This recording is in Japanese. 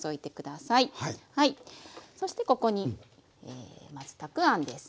そしてここにまずたくあんです。